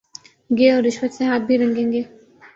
گے اور رشوت سے ہاتھ بھی رنگیں گے۔